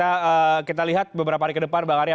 kita lihat beberapa hari ke depan bang arya